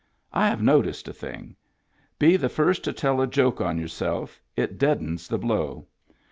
" I have noticed a thing. Be the first to tell a joke on yourself it deadens the blow.